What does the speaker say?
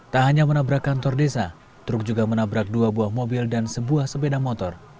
tak hanya menabrak kantor desa truk juga menabrak dua buah mobil dan sebuah sepeda motor